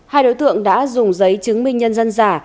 hai đối tượng đã dùng giấy chứng minh nhân dân giả